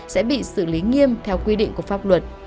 sẽ bị xử lý nghiêm theo quy định của pháp luật